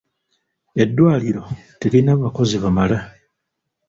Eddwaliro teririna bakozi bamala.